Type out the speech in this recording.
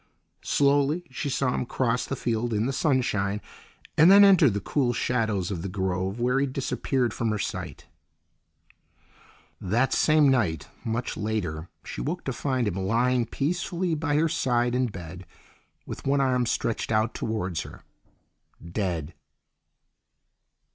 Slowly she saw him cross the field in the sunshine, and then enter the cool shadows of the grove, where he disappeared from her sight. That same night, much later, she woke to find him lying peacefully by her side in bed, with one arm stretched out towards her, dead.